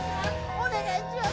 お願いします